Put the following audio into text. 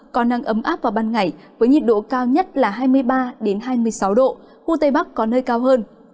còn nắng ấm áp vào ban ngày với nhiệt độ cao nhất là hai mươi ba đến hai mươi sáu độ khu tây bắc có nơi cao hơn